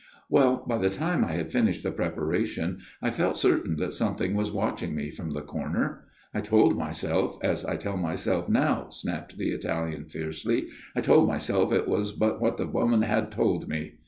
" Well, by the time I had finished the prepara tion, I felt certain that something was watching me from the corner. I told myself, as I tell my self now," snapped the Italian fiercely, " I told FATHER BIANCHI'S STORY 149 myself it was but what the woman had, {told me.